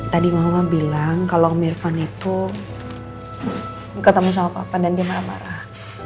tadi mama bilang kalau mirfan itu ketemu sama papa dan dia marah marah